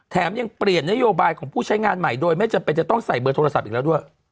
ยังเปลี่ยนนโยบายของผู้ใช้งานใหม่โดยไม่จำเป็นจะต้องใส่เบอร์โทรศัพท์อีกแล้วด้วย